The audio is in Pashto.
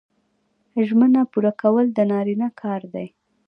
ژمنه پوره کول د نارینه کار دی